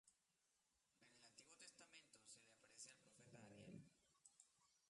En el Antiguo Testamento, se le aparece al profeta Daniel.